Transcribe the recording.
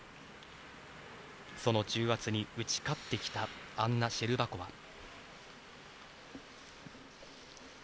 その重圧に打ち勝ってきたアンナ・シェルバコワ。